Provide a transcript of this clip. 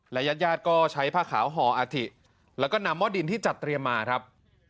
ญาติญาติก็ใช้ผ้าขาวห่ออาถิแล้วก็นำหม้อดินที่จัดเตรียมมาครับ